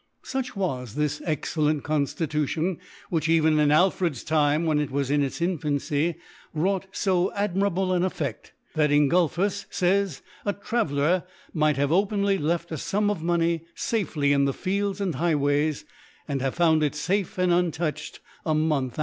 Such w>^ this excellent Conftitution, which cjven in jilfreffs Time, when it was in its Infancy, wrought fo admirable an EfFed, that In^tdfbus fays, a Trarelier might have openly left a Sum of Money iafely in the Ftelds'atl|l Highways, and have found irfafe* dnd untouched a Month.